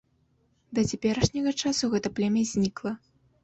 Да цяперашняга часу гэта племя знікла.